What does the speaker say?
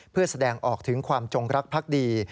เพื่อแสดงออกถึงความจงรักพักดี